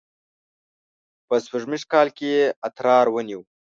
په سپوږمیز کال کې یې اترار ونیو.